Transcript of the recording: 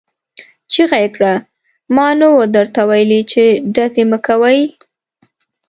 چيغه يې کړه! ما نه وو درته ويلي چې ډزې مه کوئ!